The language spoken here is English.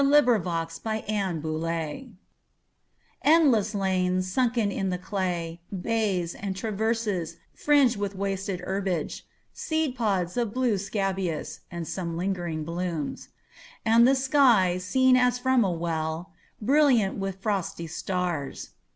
Frederic Manning THE TRENCHES ENDLESS lanes sunken in the clay, Bays, and traverses, fringed with wasted herbage, Seed pods of blue scabious, and some lingering blooms ; And the sky, seen as from a well, Brilliant with frosty stars.